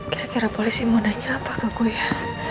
kira kira polisi mau nanya apa ke gue ya